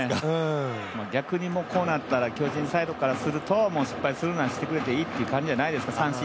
逆にこういうとき巨人サイドからすると、失敗するならしてくれていいという感じじゃないですかね。